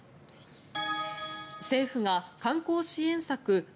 政府が観光支援策